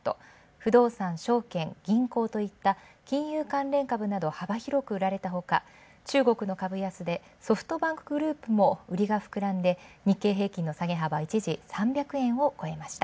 不動産、証券、銀行といった、金融関連株など幅広く売られたほか、中国の株安でソフトバンクグループも日経平均の下げ幅、一時３００円を超えました。